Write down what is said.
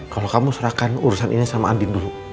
kalau kamu serahkan urusan ini sama andin dulu